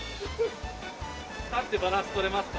立ってバランス取れますか？